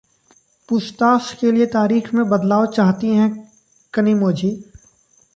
पूछताछ के लिए तारीख में बदलाव चाहती हैं कनिमोझी